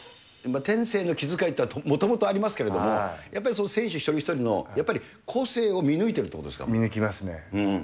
天性の気遣いというのはもともとありますけれども、やっぱり選手一人一人のやっぱり個性を見抜いているということで見抜きますね。